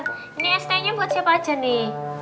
ini st nya buat siapa aja nih